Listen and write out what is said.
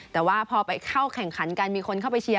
แต่ว่าพอไปเข้าแข่งขันกันมีคนเข้าไปเชียร์